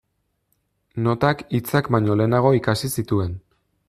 Notak hitzak baino lehengo ikasi zituen.